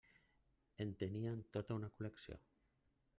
En tenien tota una col·lecció.